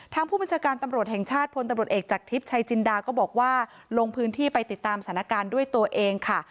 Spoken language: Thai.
ทางผู้บัญชาการตำรวจแห่งชาติพลตำรวจเอกจากทิพย์ชัยจินดาก็บอกว่าลงพื้นที่ไปติดตามสถานการณ์ด้วยตัวเองค่ะ